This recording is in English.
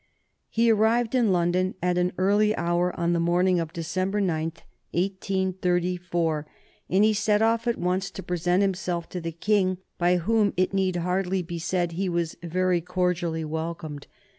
He arrived in London at an early hour on the morning of December 9, 1834, and he set off at once to present himself to the King, by whom, it need hardly be said, he was very cordially welcomed.